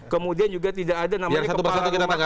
kemudian juga tidak ada namanya kepala rumah aman dan sebagainya